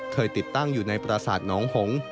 เคยติดตั้งอยู่ในปราศาสตร์น้องหงษ์